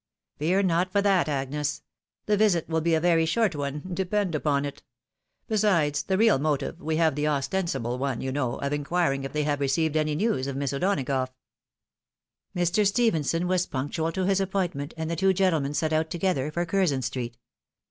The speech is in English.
" Fear not for that, Agnes. The visit will be a very short one, depend upon it. Besides the real motive, we have the ostensible one, you know, of inquiring if they have received any news of Miss O'Donagough." Mr. Stephenson was punctual to his appointment, and the two gentlemen set out together for Curzon street.